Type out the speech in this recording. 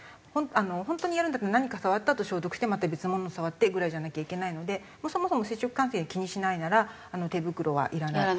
本当にやるんだったら何か触ったあと消毒してまた別のもの触ってぐらいじゃなきゃいけないのでそもそも接触感染気にしないならあの手袋はいらない。